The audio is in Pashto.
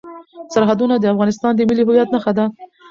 سرحدونه د افغانستان د ملي هویت نښه ده.